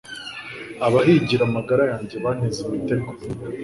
abahigira amagara yanjye banteze imitego